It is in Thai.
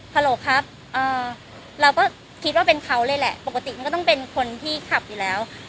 ฮัลโหลกครับเราก็คิดว่าเป็นเขาเลยแหละปกติมันก็ต้องเป็นคนที่ขับอยู่แล้ว